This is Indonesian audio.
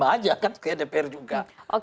lima aja kan kayak dpr juga